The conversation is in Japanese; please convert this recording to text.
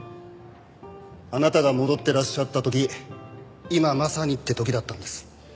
あなたが戻ってらっしゃった時今まさにって時だったんです。